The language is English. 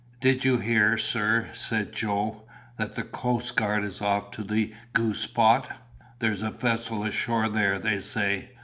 "Did you hear, sir," said Joe, "that the coastguard is off to the Goose pot? There's a vessel ashore there, they say.